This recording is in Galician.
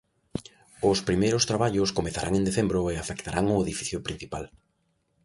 Os primeiros traballos comezarán en decembro e afectarán o edificio principal.